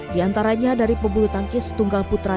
di antaranya dari pembulu tangkis tunggal putra den